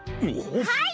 はい！